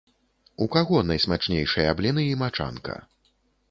У каго найсмачнейшыя бліны і мачанка?